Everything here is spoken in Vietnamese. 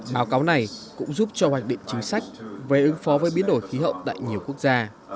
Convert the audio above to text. báo cáo này cũng giúp cho hoạch định chính sách về ứng phó với biến đổi khí hậu tại nhiều quốc gia